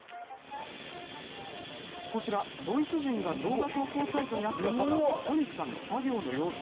こちらは、ドイツ人が動画投稿サイトにアップした小西さんの作業の様子。